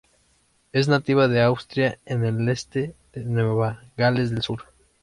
Es nativa de Australia en el este de Nueva Gales del Sur.